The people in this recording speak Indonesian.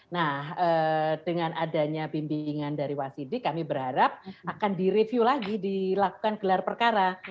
nah dengan adanya bimbingan dari wasidik kami berharap akan direview lagi dilakukan gelar perkara